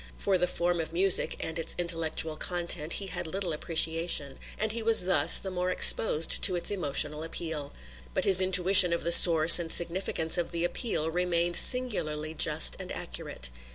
For the form of music, and its intellectual content, he had little appreciation, and he was thus the more exposed to its emotional appeal; but his intuition of the source and significance of the appeal remained singularly just and accurate.